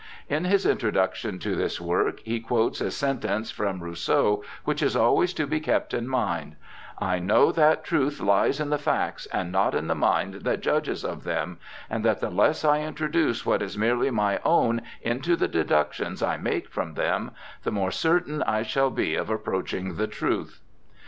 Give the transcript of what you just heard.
In his introduction to this work he quotes a sentence from Rousseau which is always to be kept in mind :* I know that truth lies in the facts, and not in the mind that judges of them, and that the less I introduce what is merely my own into the deductions I make from them, the more certain I shall be of approaching the truth.'